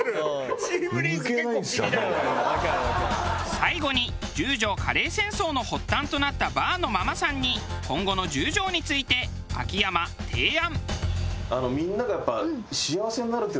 最後に十条カレー戦争の発端となったバーのママさんに今後の十条について秋山提案。